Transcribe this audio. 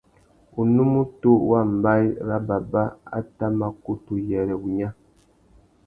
Unúmútú wa mbaye râ baba a tà mà kutu uyêrê wunya.